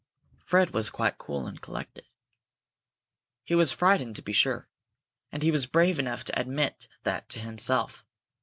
Fred was quite cool and collected. He was frightened, to be sure, and he was brave enough to admit that to himself.